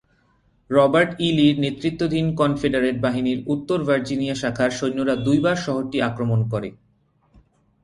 Robert E লি-র নেতৃত্বাধীন Confederate বাহিনীর উত্তর ভার্জিনিয়া শাখার সৈন্যরা দুইবার শহরটি আক্রমণ করে।